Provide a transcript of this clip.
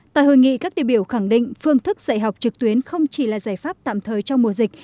tại hội nghị các địa biểu khẳng định phương thức dạy học trực tuyến không chỉ là giải pháp tạm thời trong mùa dịch